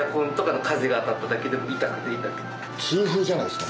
痛風じゃないですか。